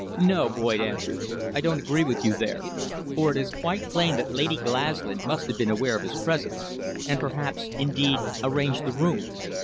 "No," Boyd answered, "I don't agree with you there, for it is quite plain that Lady Glaslyn must have been aware of his presence, and perhaps, indeed, arranged the room.